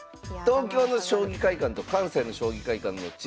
東京の将棋会館と関西の将棋会館の違いはですね